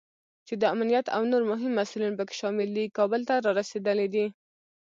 چې د امنیت او نور مهم مسوولین پکې شامل دي، کابل ته رارسېدلی دی